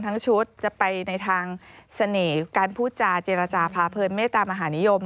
ชุดจะไปในทางเสน่ห์การพูดจาเจรจาพาเพลินเมตามหานิยม